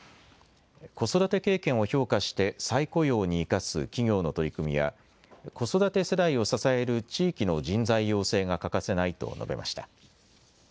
子育て経験を評価して再雇用に生かす企業の取り組みや子育て世代を支える地域の人材養成が欠かせないと述べました。